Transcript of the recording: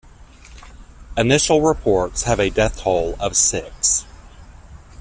Initial reports have a death toll of six.